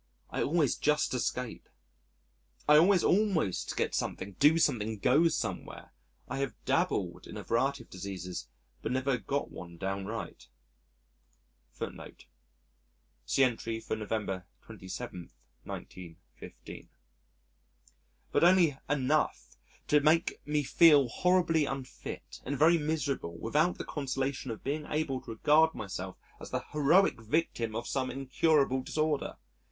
I always just escape: I always almost get something, do something, go somewhere, I have dabbled in a variety of diseases, but never got one downright but only enough to make me feel horribly unfit and very miserable without the consolation of being able to regard myself as the heroic victim of some incurable disorder.